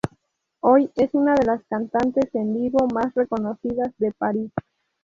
Hoy es una de las cantantes en vivo más reconocidas de París.